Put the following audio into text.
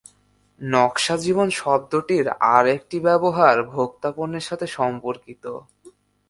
নকশা-জীবন শব্দটির আরেকটি ব্যবহার ভোক্তা পণ্যের সাথে সম্পর্কিত।